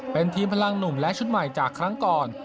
เป็นทีมพลังหนุ่มและชุดใหม่จากครั้งก่อน